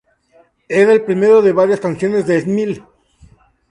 Era el primero de varias canciones de "Smile".